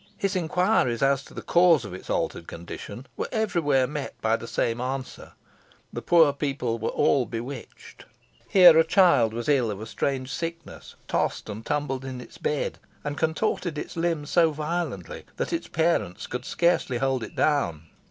His inquiries as to the cause of its altered condition were every where met by the same answer the poor people were all bewitched. Here a child was ill of a strange sickness, tossed and tumbled in its bed, and contorted its limbs so violently, that its parents could scarcely hold it down.